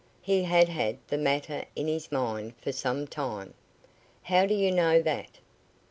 "He had had the matter in his mind for some time." "How do you know that?"